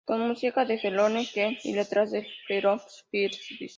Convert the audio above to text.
Con música de Jerome Kern y letras de Dorothy Fields.